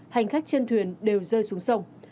hành khách trên thuyền đều rơi xuống sông